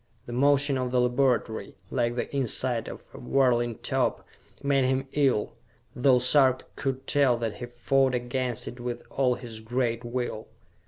The motion of the laboratory, like the inside of a whirling top, made him ill, though Sarka could tell that he fought against it with all his great will.